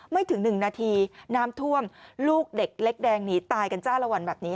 ไม่ถึง๑นาทีน้ำท่วมลูกเด็กเล็กแดงหนีตายกันจ้าละวันแบบนี้